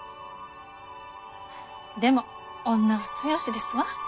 でも女は強しですわ。